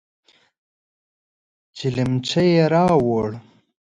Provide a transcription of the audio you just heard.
چلمچي يې راووړ.